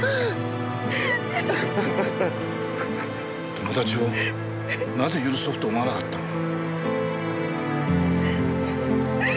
友達をなぜ許そうと思わなかったんだ。